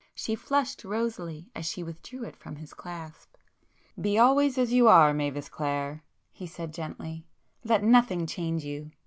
She flushed rosily as she withdrew it from his clasp. "Be always as you are Mavis Clare!"—he said gently—"Let nothing change you!